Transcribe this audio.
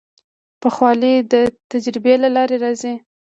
پوخوالی د تجربې له لارې راځي.